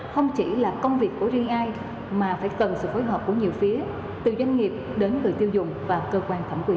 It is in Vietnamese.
không chỉ là công việc của riêng ai mà phải cần sự phối hợp của nhiều phía từ doanh nghiệp đến người tiêu dùng và cơ quan thẩm quyền